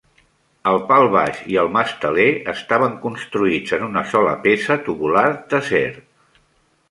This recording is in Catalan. El pal baix i el masteler estaven construïts en una sola peça tubular d'acer.